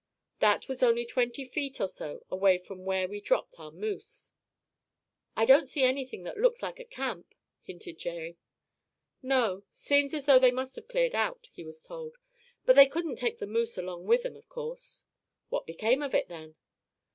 That was only twenty feet or so away from where we dropped our moose." "I don't see anything that looks like a camp," hinted Jerry. "No; seems as though they must have cleared out," he was told; "but they couldn't take the moose along with 'em, of course." "What became of it, then?"